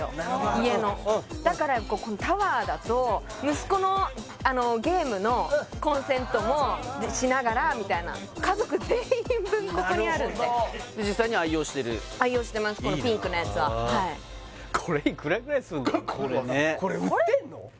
家のだからタワーだと息子のゲームのコンセントもしながらみたいな家族全員分ここにあるんで実際に愛用してるこのピンクのやつははいこれねこれ売ってんの？